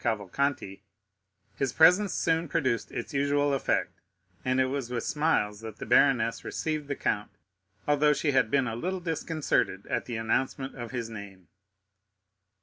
Cavalcanti, his presence soon produced its usual effect, and it was with smiles that the baroness received the count, although she had been a little disconcerted at the announcement of his name.